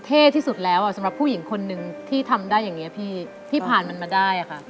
เท่ที่สุดแล้วสำหรับผู้หญิงคนนึงที่ทำได้อย่างนี้พี่ผ่านมันมาได้ค่ะ